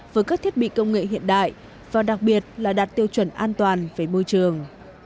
với các thiết bị công nghệ hiện đại và đặc biệt là đạt tiêu chuẩn an toàn về môi trường